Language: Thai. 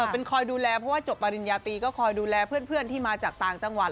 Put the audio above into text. เป็นคอยดูแลเพราะว่าจบปริญญาตรีก็คอยดูแลเพื่อนที่มาจากต่างจังหวัด